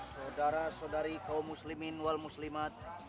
saudara saudari kaum muslimin wal muslimat